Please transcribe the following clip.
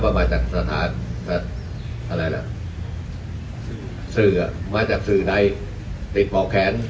ว่ามาจากสถานสื่อมาจากสื่อใดติดป่อแขน